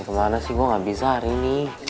kemana sih gua nggak bisa hari ini